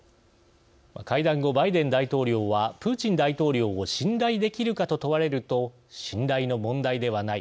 会談後、バイデン大統領は「プーチン大統領を信頼できるか」と問われると「信頼の問題ではない。